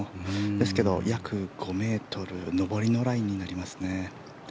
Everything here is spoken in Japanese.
ですけど、約５ｍ上りのラインになりますね。